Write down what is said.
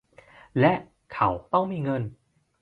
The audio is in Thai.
และ เขาต้องมีเงิน